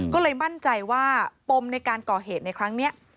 ก็เลยมั่นใจว่าปมในการก่อเหตุในครั้งนี้